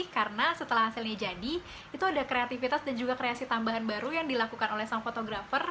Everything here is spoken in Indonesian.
karena setelah hasilnya jadi itu ada kreativitas dan juga kreasi tambahan baru yang dilakukan oleh seorang fotografer